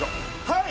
はい！